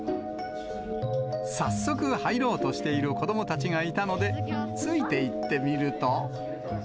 早速、入ろうとしている子どもたちがいたので、ついていってみると。